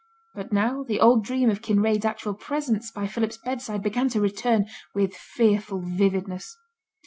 But now the old dream of Kinraid's actual presence by Philip's bedside began to return with fearful vividness.